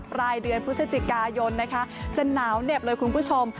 ปลายเดือนพฤศจิกายนนะคะจะหนาวเหน็บเลยคุณผู้ชม